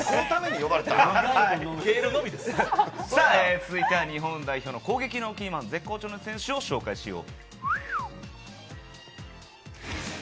続いては日本代表の攻撃のキーマン、絶好調の選手を紹介しよう。